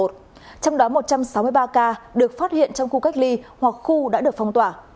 trong đó một trăm sáu mươi ba ca được phát hiện trong khu cách ly hoặc khu đã được phong tỏa